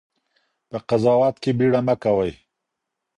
په قضاوت کې بېړه مه کوئ.